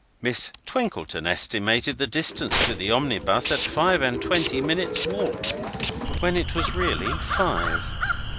Miss Twinkleton estimated the distance to the omnibus at five and twenty minutes' walk, when it was really five.